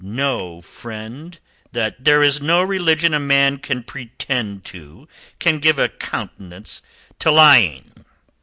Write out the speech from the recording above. "Know, friend, that there is no religion a man can pretend to can give a countenance to lying.